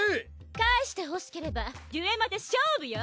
返してほしければデュエマで勝負よ！